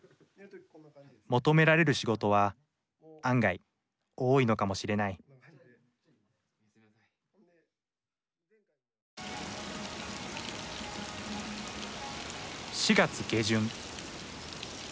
求められる仕事は案外多いのかもしれない４月下旬。